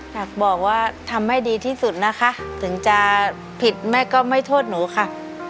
อยากบอกว่าทำให้ดีที่สุดนะคะถึงจะผิดแม่ก็ไม่โทษหนูค่ะ